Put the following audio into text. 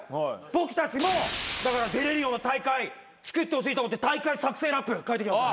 僕たちも出れるような大会つくってほしいと思って大会作成ラップ書いてきました。